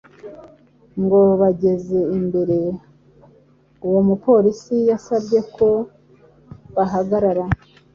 Ngo bageze imbere, uwo mupolisi yasabye ko bahagarara,